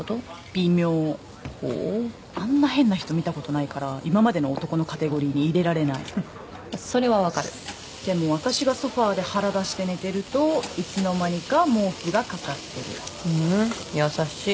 微妙ほうあんな変な人見たことないから今までの男のカテゴリーに入れられないそれはわかるでも私がソファーで腹出して寝てるといつの間にか毛布がかかってるふーん優しい